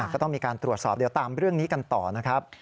ก็ต้องมีการตรวจสอบเดี๋ยวตามเรื่องนี้กันต่อนะครับ